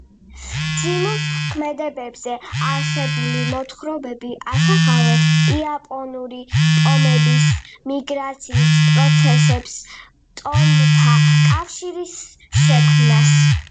ძიმუს ქმედებებზე არსებული მოთხრობები ასახავენ იაპონური ტომების მიგრაციის პროცესებს, ტომთა კავშირის შექმნას.